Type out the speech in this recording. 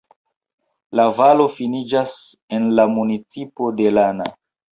La valo finiĝas en la "municipo" de Lana.